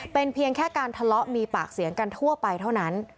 เป็นเพียงแค่การทะเลาะมีปากเสียงกันทั่วไปเท่านั้น